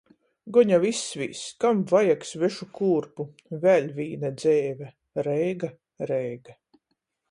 Gon jau izsvīss. Kam vajag svešu kūrpu. Vēļ vīna dzeive. Reiga, Reiga.